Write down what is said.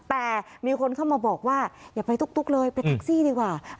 แต่มีคนเข้ามาบอกว่าอย่าไปตุ๊กเลยไปแท็กซี่ดีกว่า